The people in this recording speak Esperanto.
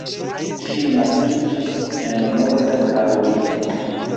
Ŝi naskiĝis en Norda Karolino.